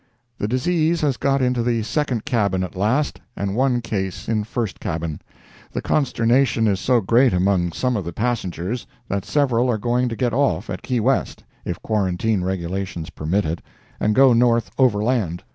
"The disease has got into the second cabin at last, and one case in first cabin. The consternation is so great among some of the passengers, that several are going to get off at Key West (if quarantine regulations permit it) and go north overland."